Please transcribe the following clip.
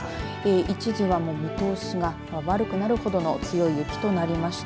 一時は見通しが悪くなるほどの強い雪となりました。